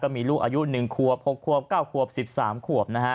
มีลูกอายุ๑ควบ๖ควบ๙ควบ๑๓ควบ